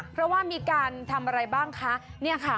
เพราะว่ามีการทำอะไรบ้างคะ